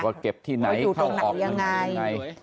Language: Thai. ว่าเก็บที่ไหนเข้าออกอย่างไร